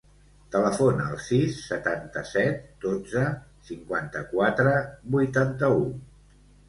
Telefona al sis, setanta-set, dotze, cinquanta-quatre, vuitanta-u.